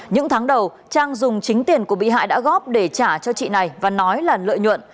những tháng đầu trang dùng chính tiền của bị hại đã góp để trả cho chị này và nói là lợi nhuận